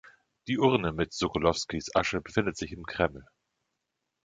Die Urne mit Sokolowskis Asche befindet sich im Kreml.